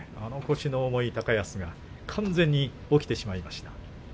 腰の重い高安は完全に起きてしまいました。